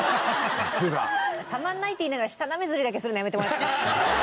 たまんないって言いながら舌なめずりだけするのやめてもらって。